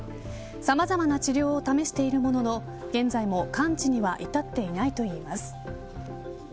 さまざまな治療を試しているものの現在も完治には至っていないといいます。